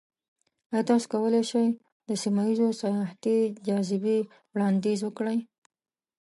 ایا تاسو کولی شئ د سیمه ایزو سیاحتي جاذبې وړاندیز وکړئ؟